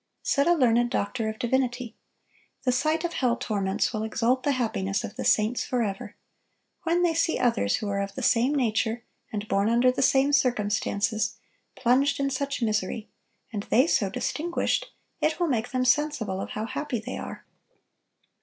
Said a learned doctor of divinity: "The sight of hell torments will exalt the happiness of the saints forever. When they see others who are of the same nature and born under the same circumstances, plunged in such misery, and they so distinguished, it will make them sensible of how happy they are."